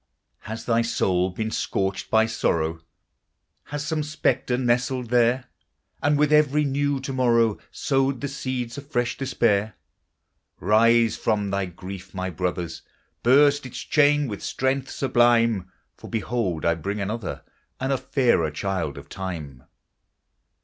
Has thy soul been scorched by sorrow, Has some spectre nestled there? And with every new to morrow, Sowed the seeds of fresh despair? Rise from thy grief, my brothers! Burst its chain with strength sublime, For behold! I bring another, And a fairer child of time.